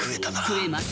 食えます。